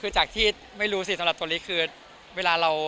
จากที่ไม่รู้สำหรับตัวนี้คือ